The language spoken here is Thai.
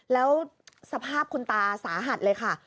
แล้วสภาพคุณตาสาหัสเลยค่ะ